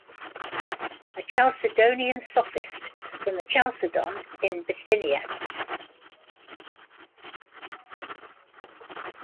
A Chalcedonian sophist, from the Chalcedon in Bithynia.